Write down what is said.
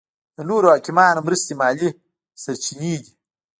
د نورو حاکمانو مرستې مالي سرچینې دي.